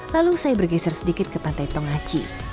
lalu saya bergeser sedikit ke pantai tongaci